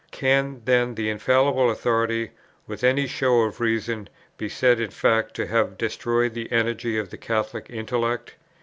Can, then, the infallible authority, with any show of reason, be said in fact to have destroyed the energy of the Catholic intellect?